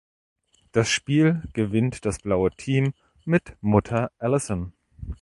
Das Spiel gewinnt das blaue Team mit Mutter Allison.